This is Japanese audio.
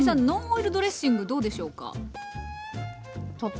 ノンオイルドレッシングどうでしょうか？